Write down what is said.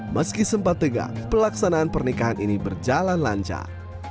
meski sempat tegak pelaksanaan pernikahan ini berjalan lancar